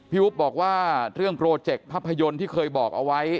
อุ๊บบอกว่าเรื่องโปรเจกต์ภาพยนตร์ที่เคยบอกเอาไว้